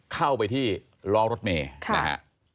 เข้าไปที่ล้อรถเมย์นะฮะ